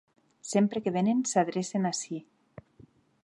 Sempre que venen s'adrecen ací.